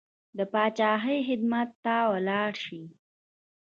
د پاچاهۍ خدمت ته ولاړ شي.